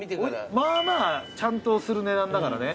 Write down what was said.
まぁまぁちゃんとする値段だからね。